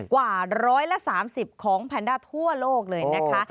กว่า๑๓๐ของแพนด้าทั่วโลกเลยนะคะ